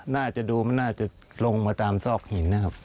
น่าจะดูมันน่าจะลงมาตามซอกหินนะครับ